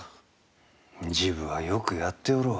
治部はよくやっておろう。